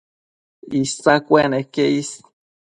Isa cueneque is